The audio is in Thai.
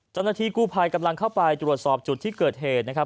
เจ้าหน้าที่กู้ภัยกำลังเข้าไปตรวจสอบจุดที่เกิดเหตุนะครับ